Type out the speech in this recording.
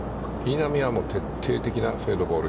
稲見は徹底的なフェードボール。